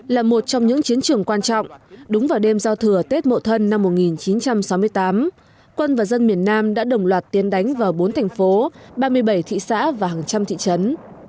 là một trong những chiến trường quan trọng đúng vào đêm giao thừa tết mộ thân năm một nghìn chín trăm sáu mươi tám quân và dân miền nam đã đồng loạt tiến đánh vào bốn thành phố ba mươi bảy thị xã và hàng trăm thị trấn